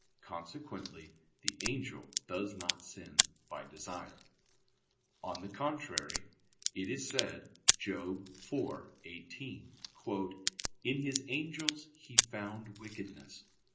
Consequently the angel does not sin by desire. On the contrary, It is said (Job 4:18): "In His angels He found wickedness."